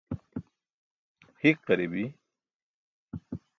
hik ġari bi